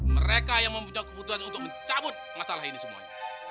mereka yang mempunyai kebutuhan untuk mencabut masalah ini semuanya